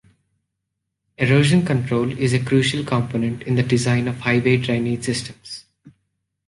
Erosion control is a crucial component in the design of highway drainage systems.